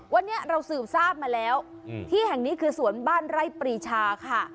วันนี้เราสืบทราบมาแล้วที่แห่งนี้คือสวนบ้านไร่ปรีชาค่ะ